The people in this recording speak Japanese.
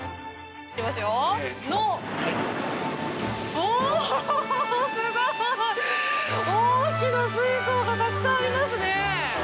すごい！大きな水槽がたくさんあります！